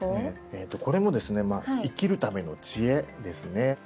これもですね生きるための知恵ですね。